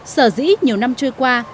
sở dĩ nhiều năm trôi qua